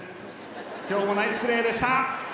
今日もナイスプレーでした。